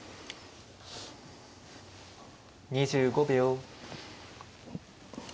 ２５秒。